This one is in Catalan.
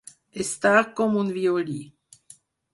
Estar com un violí.